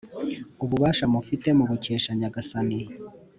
Ububasha mufite mubukesha Nyagasani,